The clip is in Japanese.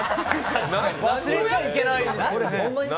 忘れちゃいけないですよ。